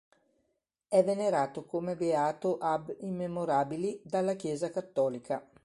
È venerato come beato ab immemorabili dalla Chiesa cattolica.